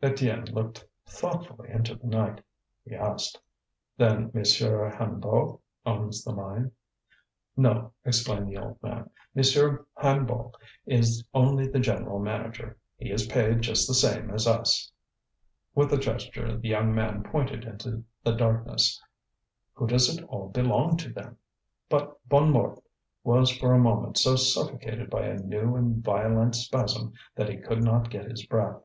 Étienne looked thoughtfully into the night. He asked: "Then Monsieur Hennebeau owns the mine?" "No," explained the old man, "Monsieur Hennebeau is only the general manager; he is paid just the same as us." With a gesture the young man pointed into the darkness. "Who does it all belong to, then?" But Bonnemort was for a moment so suffocated by a new and violent spasm that he could not get his breath.